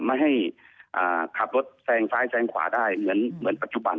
ไม่ให้ขับรถแซงซ้ายแซงขวาได้เหมือนปัจจุบัน